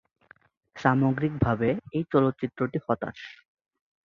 সামগ্রিকভাবে, এই চলচ্চিত্রটি হতাশ।